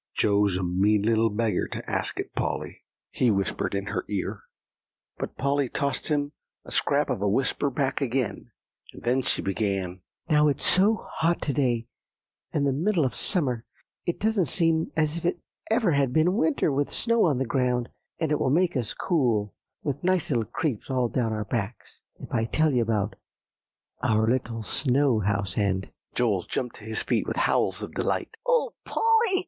"Joe's a mean little beggar to ask it, Polly," he whispered in her ear. But Polly tossed him a scrap of a whisper back again, and then she began. "Now, it's so hot to day, and the middle of summer, it doesn't seem as if it ever had been winter with the snow on the ground; and it will make us cool, with nice little creeps all down our backs, if I tell you about our little snow house, and" Joel jumped to his feet with howls of delight. "O Polly!"